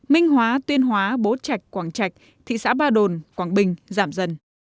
minh hóa tuyên hóa bố trạch quảng trạch thị xã ba đồn quảng bình giảm dần